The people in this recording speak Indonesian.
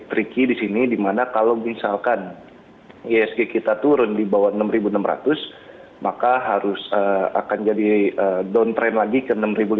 tricky di sini di mana kalau misalkan ihsg kita turun di bawah enam enam ratus maka akan jadi downtrend lagi ke enam lima ratus